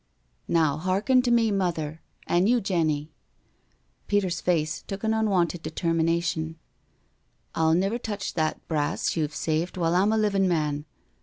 " Now, hearken to me. Mother, an' you, Jenny "— Peter's face took on unwonted determination — "I'll never touch that brass you've saved while I'm a livin' man.